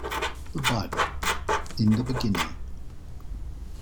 The Bible: In the Beginning...